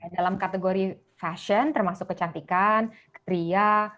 dalam kategori fashion termasuk kecantikan kria